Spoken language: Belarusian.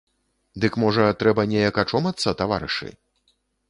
Дык можа трэба неяк ачомацца, таварышы?